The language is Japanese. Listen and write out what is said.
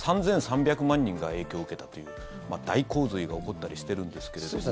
３３００万人が影響を受けたという大洪水が起こったりしてるんですけども。